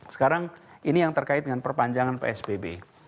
sekarang ini yang terkait dengan perpanjangan psbb